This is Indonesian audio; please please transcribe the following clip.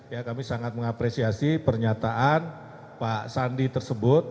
ya kami sangat mengapresiasi pernyataan pak sandi tersebut